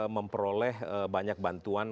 memperoleh banyak bantuan